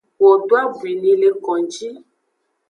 Wo do abwi ni le konji.